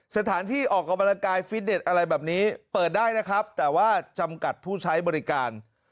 สถานที่ออกกำลังกายฟิตเน็ตอะไรแบบนี้เปิดได้นะครับแต่ว่าจำกัดผู้ใช้บริการ